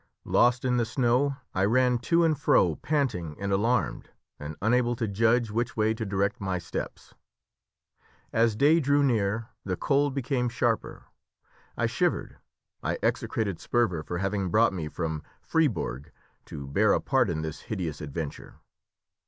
Lost in the snow, I ran to and fro panting and alarmed, and unable to judge which way to direct my steps. As day drew near the cold became sharper; I shivered, I execrated Sperver for having brought me from Fribourg to bear a part in this hideous adventure.